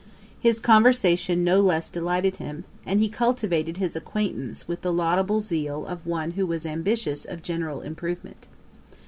His conversation no less delighted him; and he cultivated his acquaintance with the laudable zeal of one who was ambitious of general improvement.